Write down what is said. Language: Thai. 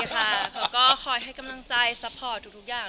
เค้าคอยให้กำลังใจซัพพอกับทุกอย่าง